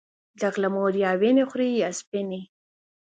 د غله مور يا وينې خورې يا سپينې